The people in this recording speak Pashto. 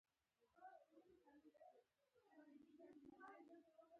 یو پله تبدیل سویچ